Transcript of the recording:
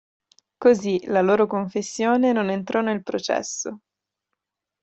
Così, la loro confessione non entrò nel processo.